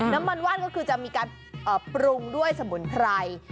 ว่านก็คือจะมีการปรุงด้วยสมุนไพร